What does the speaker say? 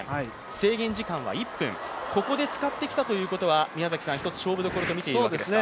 制限時間は１分ここで使ってきたということは一つ、勝負どころと見ていいわけですか。